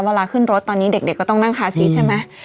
เวลาขึ้นรถตอนนี้เด็กก็ต้องนั่งคาซีสใช่ไหม